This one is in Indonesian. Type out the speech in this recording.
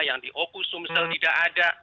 yang di ocu sumsel tidak ada